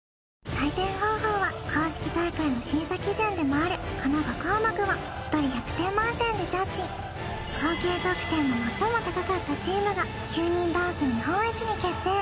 採点方法は公式大会の審査基準でもあるこの５項目を１人１００点満点でジャッジ合計得点の最も高かったチームが９人ダンス日本一に決定！